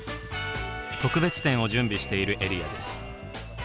特別展を準備しているエリアです。